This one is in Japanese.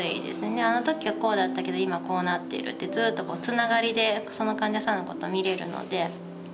あのときはこうだったけど今こうなっているってずっとつながりでその患者さんのこと診れるので。